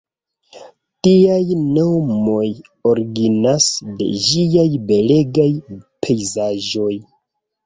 Tiaj nomoj originas de ĝiaj belegaj pejzaĝoj.